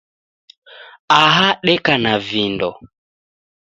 Aha deka na vindo.